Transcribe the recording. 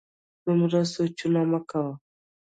دومره سوچونه مه کوه